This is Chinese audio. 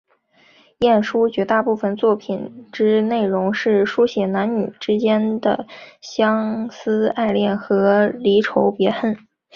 晏殊绝大部分作品之内容是抒写男女之间的相思爱恋和离愁别恨。